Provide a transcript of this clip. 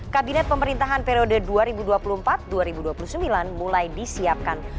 kabinet pemerintahan periode dua ribu dua puluh empat dua ribu dua puluh sembilan mulai disiapkan